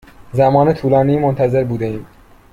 زمان طولانی منتظر بوده ایم.